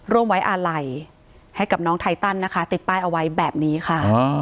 ร่วมไว้อาลัยให้กับน้องไทตันนะคะติดป้ายเอาไว้แบบนี้ค่ะ